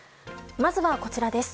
まずはこちらです。